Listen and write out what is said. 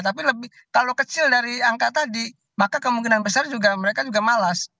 tapi lebih kalau kecil dari angka tadi maka kemungkinan besar juga mereka juga malas